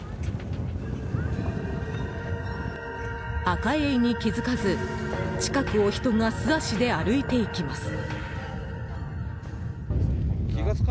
アカエイに気づかず近くを人が素足で歩いていきます。